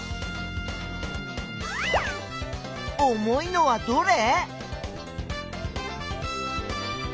重いのはどれ？